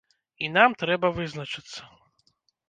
І нам трэба вызначыцца.